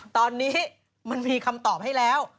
ตอนนี้มันมีคำตอบให้แล้ว